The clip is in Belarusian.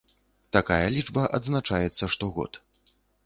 Такая лічба адзначаецца штогод.